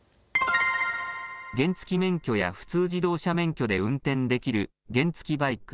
原付き免許や普通自動車免許で運転できる原付きバイク。